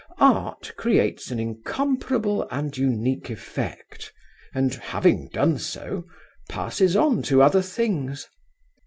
Art creates an incomparable and unique effect, and, having done so, passes on to other things.